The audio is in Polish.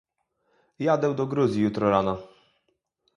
Jadę do Gruzji jutro rano